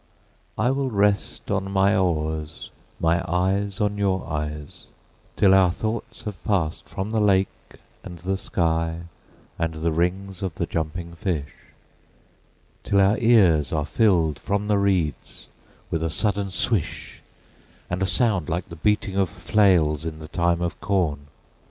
I will rest on my oars, my eyes on your eyes, till our thoughts have passedFrom the lake and the sky and the rings of the jumping fish; Till our ears are filled from the reeds with a sudden swish, And a sound like the beating of flails in the time of corn.